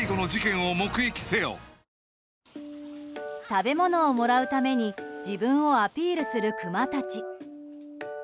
食べ物をもらうために自分をアピールするクマたち。